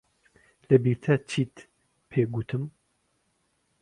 لەبیرتە چیت پێ گوتم؟